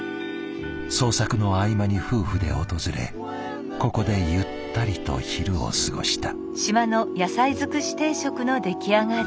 創作の合間に夫婦で訪れここでゆったりと昼を過ごした。